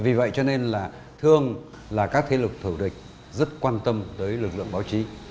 vì vậy cho nên là thường là các thế lực thủ địch rất quan tâm tới lực lượng báo chí